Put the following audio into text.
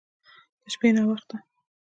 د شپې ناوخته